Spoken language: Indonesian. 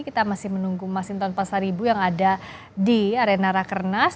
kita masih menunggu masinton pasaribu yang ada di arena rakernas